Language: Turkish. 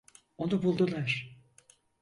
Onu buldular.